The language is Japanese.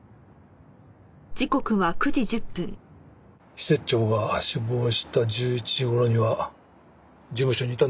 施設長が死亡した１１時頃には事務所にいたんだろうな？